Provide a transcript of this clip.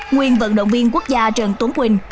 nguyên vận động viên quốc gia trần tuấn quỳnh